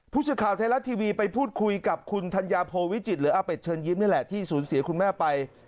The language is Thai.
ผู้สื่อข่าวไทยรัฐทีวีไปพูดคุยกับคุณธัญญาโพวิจิตรหรืออาเป็ดเชิญยิ้มนี่แหละที่สูญเสียคุณแม่ไป